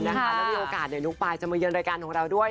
แล้วมีโอกาสเดี๋ยวน้องปายจะมาเยือนรายการของเราด้วย